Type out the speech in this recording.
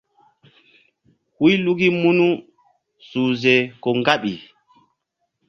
Huy luki munu uhze ko ŋgaɓi.